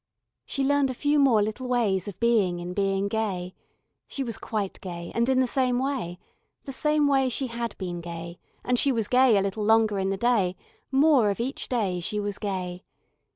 She learned a few more little ways of being in being gay. She was quite gay and in the same way, the same way she had been gay and she was gay a little longer in the day, more of each day she was gay.